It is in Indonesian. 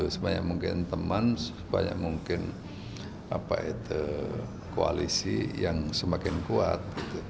sebanyak mungkin teman sebanyak mungkin koalisi yang semakin kuat